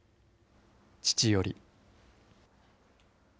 父より。